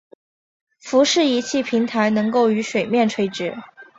浮式仪器平台能够与水面垂直。